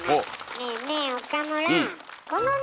ねえねえ岡村。